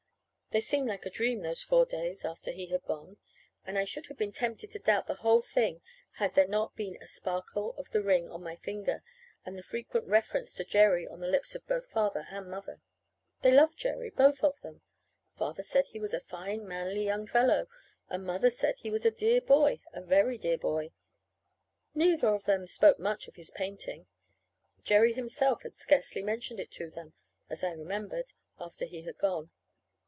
They seemed like a dream those four days after he had gone; and I should have been tempted to doubt the whole thing had there not been the sparkle of the ring on my finger, and the frequent reference to Jerry on the lips of both Father and Mother. They loved Jerry, both of them. Father said he was a fine, manly young fellow; and Mother said he was a dear boy, a very dear boy. Neither of them spoke much of his painting. Jerry himself had scarcely mentioned it to them, as I remembered, after he had gone.